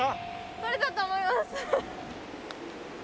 撮れたと思います！